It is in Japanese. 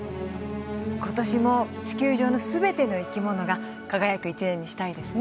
今年も地球上の全ての生きものが輝く一年にしたいですね。